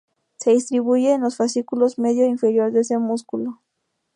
Se distribuye en los fascículos medio e inferior de ese músculo.